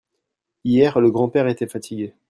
Hier, le grand-père était fatigué.